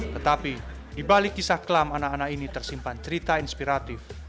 tetapi di balik kisah kelam anak anak ini tersimpan cerita inspiratif